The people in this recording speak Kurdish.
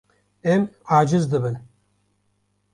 Em aciz dibin.